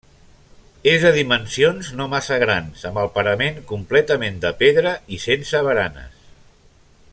És de dimensions no massa grans, amb el parament completament de pedra i sense baranes.